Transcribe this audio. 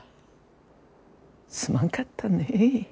すまんかったね。